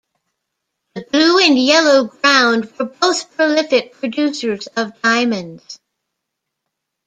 The blue and yellow ground were both prolific producers of diamonds.